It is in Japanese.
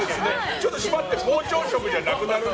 ちょっと締まって膨張色じゃなくなって。